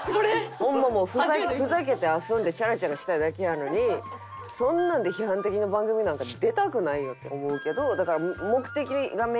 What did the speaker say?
ホンマもうふざけて遊んでチャラチャラしたいだけやのにそんなんで批判的な番組なんかに出たくないよって思うけどだから思ってらっしゃる。